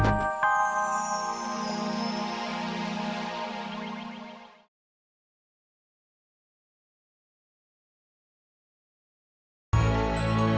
benar dimana kita bers preliminernya